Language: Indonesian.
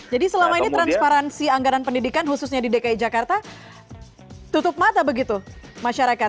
jadi selama ini transparansi anggaran pendidikan khususnya di dki jakarta tutup mata begitu masyarakat